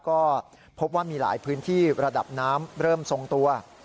ก็พบว่ามีหลายพื้นที่ระดับน้ำเริ่มทรงตัว